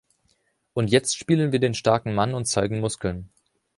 Und jetzt spielen wir den starken Mann und zeigen Muskeln.